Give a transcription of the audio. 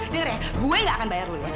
dengar ya gue gak akan bayar lo ya